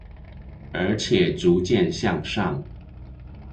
而且逐漸向上